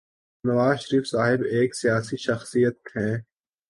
نواز شریف صاحب ایک سیاسی شخصیت ہیں۔